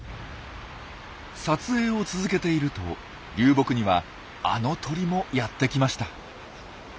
撮影を続けていると流木にはあの鳥もやって来ました。